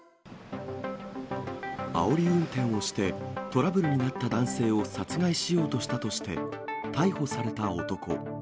あおり運転をして、トラブルになった男性を殺害しようとしたとして、逮捕された男。